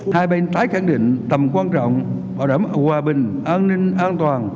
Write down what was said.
hai bên tái khẳng định tầm quan trọng bảo đảm hòa bình an ninh an toàn